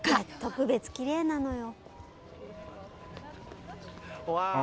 特別きれいなのよ。